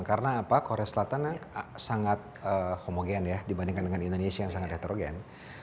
karena korea selatan sangat homogen dibanding indonesia yang sangat heterogen